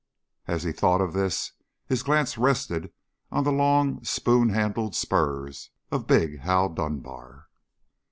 As he thought of this, his glance rested on the long, spoon handled spurs of big Hal Dunbar.